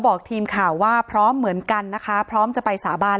บอกทีมข่าวว่าพร้อมเหมือนกันนะคะพร้อมจะไปสาบาน